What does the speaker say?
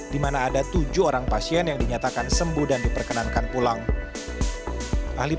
di mana ada tujuh orang pasien yang dinyatakan pulih